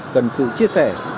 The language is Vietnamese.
cần sự chia sẻ